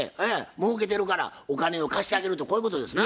もうけてるからお金を貸してあげるとこういうことですな？